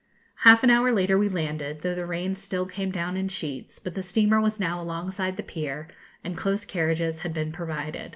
Half an hour later we landed, though the rain still came down in sheets, but the steamer was now alongside the pier, and close carriages had been provided.